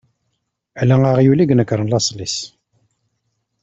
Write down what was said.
Ala aɣyul i i inekṛen laṣel-is.